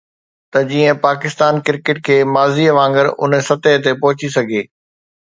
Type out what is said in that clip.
ته جيئن پاڪستان ڪرڪيٽ کي ماضي وانگر ان سطح تي پهچي سگهي